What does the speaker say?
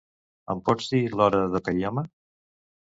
Em pots dir l'hora d'Okayama?